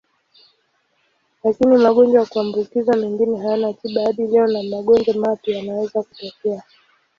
Lakini magonjwa ya kuambukizwa mengine hayana tiba hadi leo na magonjwa mapya yanaweza kutokea.